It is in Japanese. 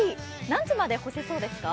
何時まで干せそうですか？